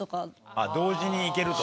あっ同時にいけると？